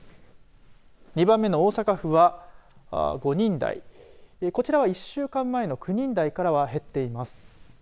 ２番目の大阪府は５人台こちらは１週間前の９人台からは減っています。